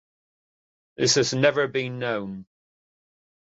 This has never been known.